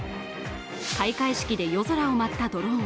開会式で夜空を舞ったドローン。